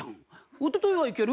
おとといはいける？